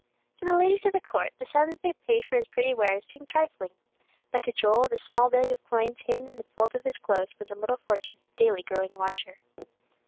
To the ladies of the court, the sums they paid for his pretty wares seemed trifling; but to Joel the small bag of coins hidden in the folds of his clothes was a little fortune, daily growing larger.